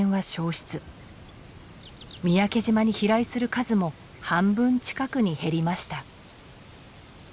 三宅島に飛来する数も半分近くに減りました。